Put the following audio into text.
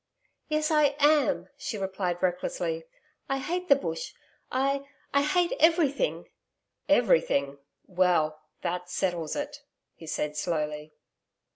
'Yes, I am,' she replied recklessly. 'I hate the Bush I I hate everything.' 'Everything! Well, that settles it!' he said slowly.